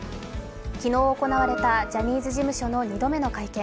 昨日行われたジャニーズ事務所の２度目の会見。